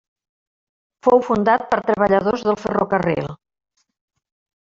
Fou fundat per treballadors del ferrocarril.